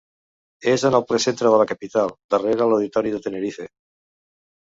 És en ple centre de la capital, darrere l'Auditori de Tenerife.